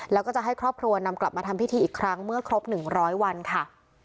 แล้วก็จะให้ครอบครัวนำกลับมาทำพิธีอีกครั้งเมื่อครบ๑๐๐วันค่ะ